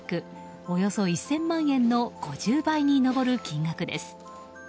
およそ１０００万円の５０倍に上る金額です。